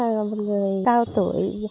bác cũng là một người cao tuổi